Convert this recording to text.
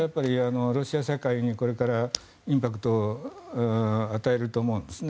ロシア世界にこれからインパクトを与えると思うんですね。